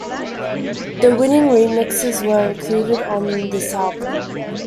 The winning remixes were included on this album.